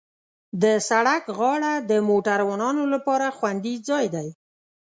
د سړک غاړه د موټروانو لپاره خوندي ځای دی.